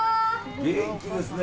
元気ですね。